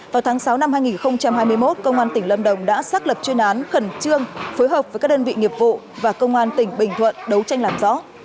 vào tháng sáu năm hai nghìn hai mươi một công an tỉnh lâm đồng đã xác lập chuyên án khẩn trương phối hợp với các đơn vị nghiệp vụ và công an tỉnh bình thuận đấu tranh làm rõ